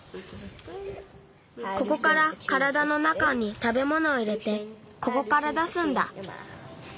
ここからからだの中にたべものを入れてここから出すんだ。